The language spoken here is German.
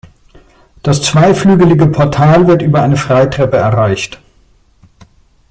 Das zweiflügelige Portal wird über eine Freitreppe erreicht.